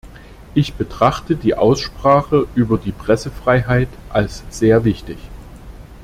Ich betrachte die Aussprache über die Pressefreiheit als sehr wichtig.